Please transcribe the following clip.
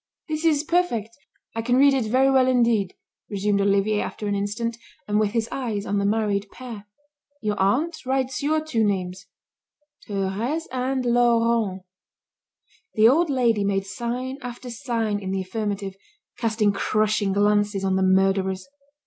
"This is perfect. I can read it very well indeed," resumed Olivier after an instant, and with his eyes on the married pair. "Your aunt writes your two names: 'Thérèse and Laurent.'" The old lady made sign after sign in the affirmative, casting crushing glances on the murderers.